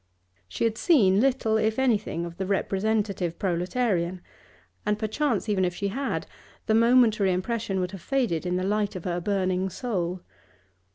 She had seen little if anything of the representative proletarian, and perchance even if she had the momentary impression would have faded in the light of her burning soul.